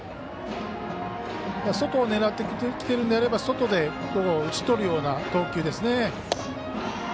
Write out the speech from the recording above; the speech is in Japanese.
外を狙ってきているのであれば外で打ち取るような投球ですね。